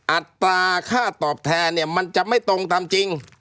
อัตราค่าตอบแทนเนี่ยมันจะไม่ตรงตามจริง